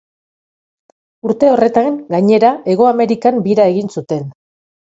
Urte horretan, gainera, Hego Amerikan bira egin zuten.